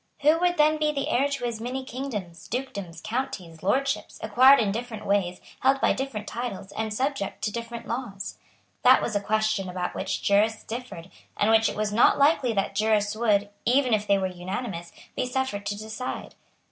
Who would then be the heir to his many kingdoms, dukedoms, counties, lordships, acquired in different ways, held by different titles and subject to different laws? That was a question about which jurists differed, and which it was not likely that jurists would, even if they were unanimous, be suffered to decide.